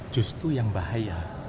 justru yang bahaya